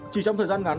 chỉ trong thời gian